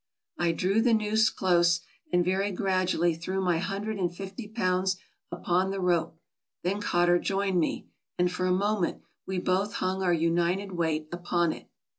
I drew the noose close, and very gradually threw my hundred and fifty pounds upon the rope; then Cotter joined me, and, for a moment, we both hung our united weight upon it.